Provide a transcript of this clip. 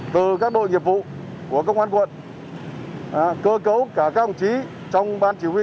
từ các đội nghiệp vụ của công an quận cơ cấu cả các ông chí trong ban chỉ huy